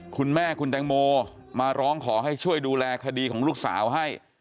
คุณแม่คุณแตงโมมาร้องขอให้ช่วยดูแลคดีของลูกสาวให้